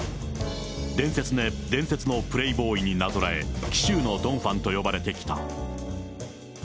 伝説のプレイボーイになぞらえ、紀州のドン・ファンと呼ばれてきた。